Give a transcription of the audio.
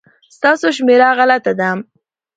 ستاسو شمېره غلطه ده